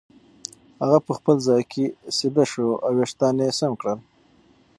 هغه په خپل ځای کې سیده شو او وېښتان یې سم کړل.